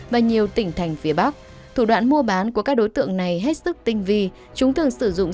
và nhiều tỉnh thành phía bắc thủ đoạn mua bán của các đối tượng này hết sức tinh vi chúng thường sử dụng